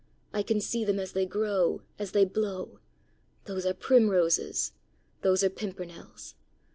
I can see them as they grow, as they blow! Those are primroses! Those are pimpernels!